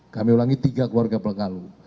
kami ulangi tiga keluarga penggalu